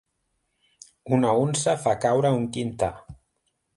Una unça fa caure un quintar.